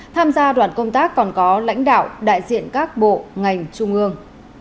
tham gia đoàn công tác còn có lãnh đạo đại diện các bộ ngành trung ương